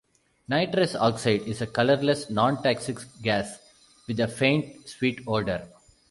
Nitrous oxide is a colourless, non-toxic gas with a faint, sweet odour.